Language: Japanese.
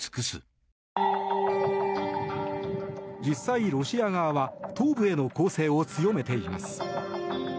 実際、ロシア側は東部への攻勢を強めています。